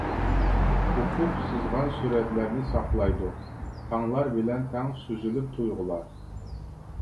ئۇپۇق سىزغان سۈرەتلەرنى ساقلايدۇ، تاڭلار بىلەن تەڭ سۈزۈلۈپ تۇيغۇلار.